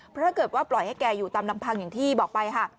เพราะถ้าเกิดว่าปล่อยให้แกอยู่ตามลำพังอย่างที่บอกไปค่ะ